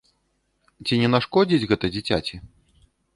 Ці не нашкодзіць гэта дзіцяці?